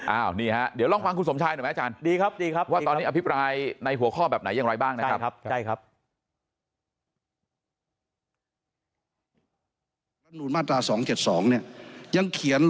อ้าวนี่ฮะเดี๋ยวลองฟังคุณสมชายหน่อยไหมอาจารย์